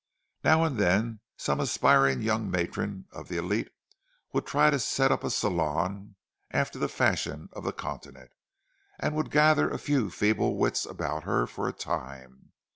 Now and then some aspiring young matron of the "élite" would try to set up a salon after the fashion of the continent, and would gather a few feeble wits about her for a time.